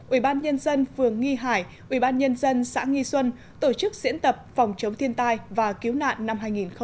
ubnd phường nghi hải ubnd xã nghi xuân tổ chức diễn tập phòng chống thiên tai và cứu nạn năm hai nghìn một mươi chín